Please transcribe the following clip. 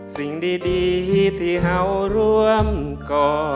สิ่งดีที่เขาร่วมก่อ